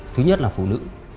thứ nhất là phụ nữ